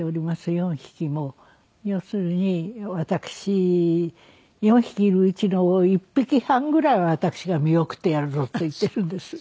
４匹も要するに私４匹いるうちの１匹半ぐらいは私が見送ってやるぞって言ってるんです。